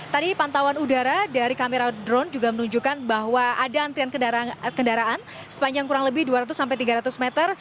tadi pantauan udara dari kamera drone juga menunjukkan bahwa ada antrian kendaraan sepanjang kurang lebih dua ratus sampai tiga ratus meter